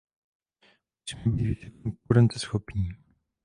Musíme být více konkurenceschopní.